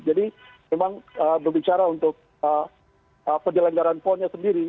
jadi memang berbicara untuk penyelenggaran pon nya sendiri